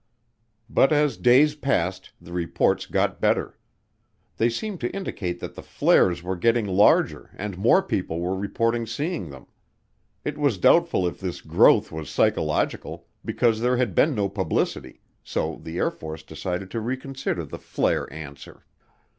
But as days passed the reports got better. They seemed to indicate that the "flares" were getting larger and more people were reporting seeing them. It was doubtful if this "growth" was psychological because there had been no publicity so the Air Force decided to reconsider the "flare" answer.